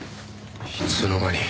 いつの間に。